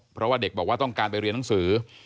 เพราะว่าเด็กบอกว่าต้องการไปเรียนหนังสือ